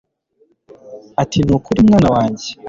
ati ni ukuri mwana wanjye